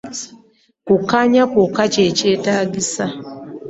Kukkaanya kwokka kye kyetaagisa.